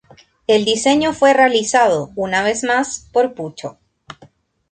El diseño fue realizado, una vez más, por Pucho.